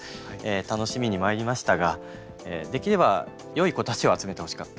楽しみにまいりましたができればよい子たちを集めてほしかった。